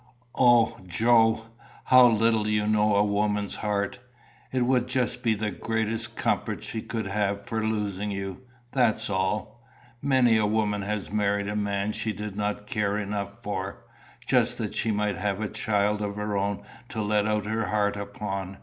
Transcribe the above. "O, Joe! how little you know a woman's heart! It would just be the greatest comfort she could have for losing you that's all. Many a woman has married a man she did not care enough for, just that she might have a child of her own to let out her heart upon.